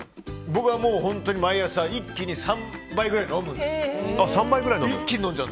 僕は本当に毎朝一気に３杯くらい飲むんです。